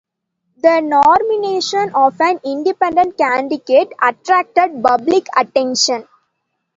The nomination of an independent candidate attracted public attention.